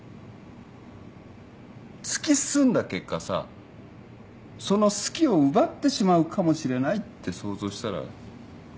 突き進んだ結果さその「好き」を奪ってしまうかもしれないって想像したら。